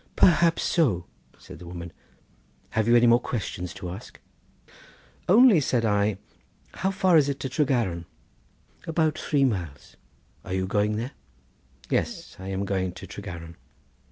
"Perhaps so," said the woman; "have you any more questions to ask?" "Only one," said I; "how far is it to Tregaron?" "About three mile: are you going there?" "Yes, I am going to Tregaron."